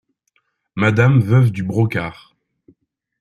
MADAME veuve DU BROCARD.